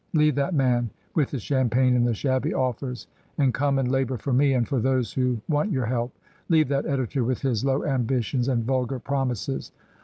Leave that man with the champagne and the shabby offers, and come and labour for me, and for those who want your help. Leave that editor with his low ambitions and vulgar promises.